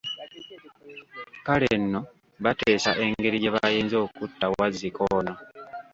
Kale nno bateesa engeri gye bayinza okutta wazzike ono.